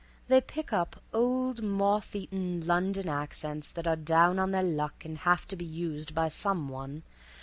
"They pick up old, moth eaten London accents that are down on their luck and have to be used by some one.